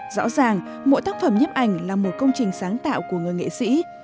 rõ ràng mỗi tác phẩm nhếp ảnh là một công trình sáng tạo của người nghệ sĩ